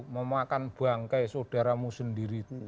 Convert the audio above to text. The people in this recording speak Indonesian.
memakan bangkai saudaramu sendiri